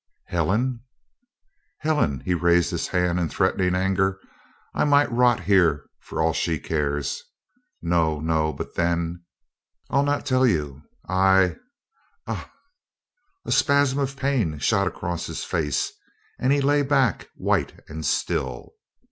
"Helen?" "Helen!" he raised his hand in threatening anger. "I might rot here for all she cares. No no but then I'll not tell you I ah " A spasm of pain shot across his face, and he lay back white and still.